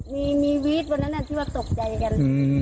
มีวีดวันนั้นที่ว่าตกใจกัน